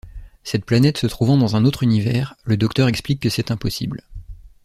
Cette planète se trouvant dans un autre univers, le Docteur explique que c'est impossible.